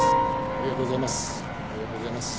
ありがとうございます。